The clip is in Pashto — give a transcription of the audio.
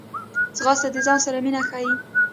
ځغاسته د ځان سره مینه ښيي